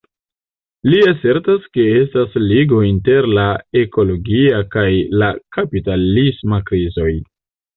Li asertas ke estas ligo inter la ekologia kaj la kapitalisma krizoj.